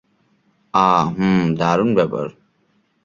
আহ, হুম, দারুণ ব্যাপার।